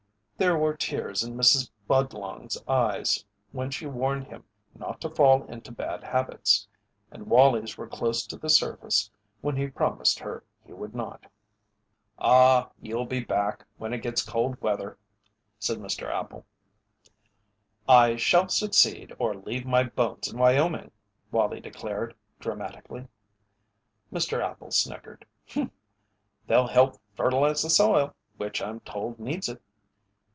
There were tears in Mrs. Budlong's eyes when she warned him not to fall into bad habits, and Wallie's were close to the surface when he promised her he would not. "Aw you'll be back when it gets cold weather," said Mr. Appel. "I shall succeed or leave my bones in Wyoming!" Wallie declared, dramatically. Mr. Appel snickered: "They'll help fertilize the soil, which I'm told needs it."